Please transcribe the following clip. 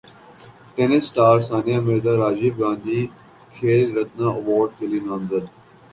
tennis star Sania Mirza Rajiv Gandhi Khel Ratna ایوارڈکیلئے نامزد